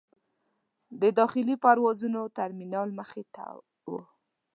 د داخلي پروازونو ترمینل مخې ته و.